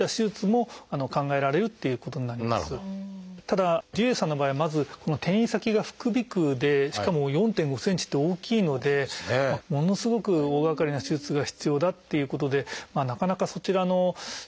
ただ氏家さんの場合はまずこの転移先が副鼻腔でしかも４．５ｃｍって大きいのでものすごく大がかりな手術が必要だっていうことでなかなかそちらの手術の適応というのは慎重になります。